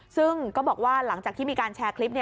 ซึ่งก็บอกว่าหลังจากที่มีการแชร์คลิป